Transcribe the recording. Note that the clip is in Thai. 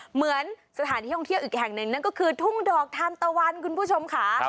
เหมือนสถานที่ท่องเที่ยวอีกแห่งหนึ่งนั่นก็คือทุ่งดอกทานตะวันคุณผู้ชมค่ะ